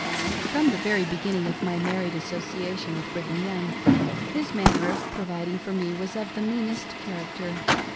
From the very beginning of my married association with Brigham Young his manner of providing for me was of the meanest character.